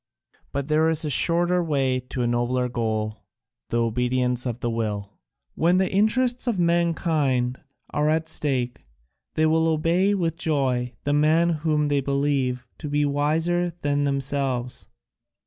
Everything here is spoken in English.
But there is a shorter way to a nobler goal, the obedience of the will. When the interests of mankind are at stake, they will obey with joy the man whom they believe to be wiser than themselves.